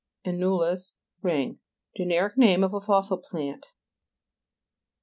annulus, ring. Generic name of a fossil plant, (p.